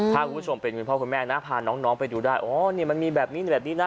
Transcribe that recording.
ถ้าคุณผู้ชมเป็นคุณพ่อคุณแม่นะพาน้องไปดูได้อ๋อนี่มันมีแบบนี้แบบนี้นะ